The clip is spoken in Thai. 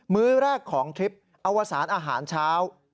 ื้อแรกของคลิปอวสารอาหารเช้า